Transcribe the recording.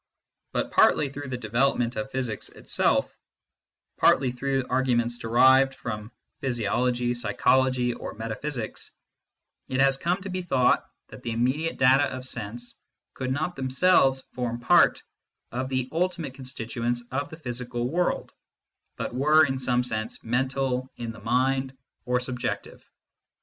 But partly through the development of physics itself, party through arguments derived from physiology, psychology or metaphysics, it has come to be thought that the immediate data of sense could not themselves form part of the ultimate constituents of the physical world, but were in some sense " mental," " in the mind," or " subjective."